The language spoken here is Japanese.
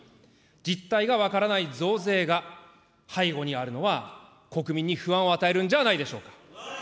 実態が分からない増税が背後にあるのは国民に不安を与えるんじゃないでしょうか。